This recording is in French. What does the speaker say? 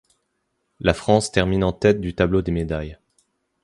La France termine en tête du tableau des médailles.